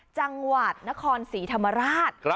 จังหวัดนครศรีธรรมราช